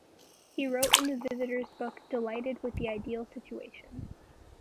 He wrote in the visitors book delighted with the ideal situation.